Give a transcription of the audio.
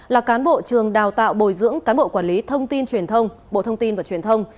là cán bộ trường đào tạo bồi dưỡng cán bộ quản lý thông tin truyền thông bộ thông tin và truyền thông